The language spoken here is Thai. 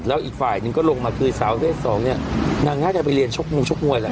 แล้วอีกฝ่ายนึงก็ลงมาศรีสาวเทศสองมันน่าจะไปเรียนงุชกงวยอ่ะ